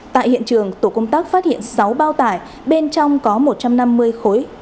tại hiện trường tổ công tác phát hiện sáu bao tải bên trong có một trăm năm mươi khối